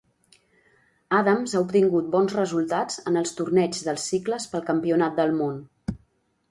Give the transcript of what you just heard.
Adams ha obtingut bons resultats en els torneigs dels cicles pel Campionat del món.